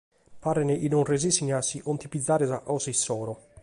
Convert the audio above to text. Paret chi non resessint a si contivigiare sa cosa issoro.